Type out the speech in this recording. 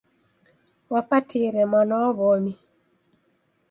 Wapatire mwana wa w'omi.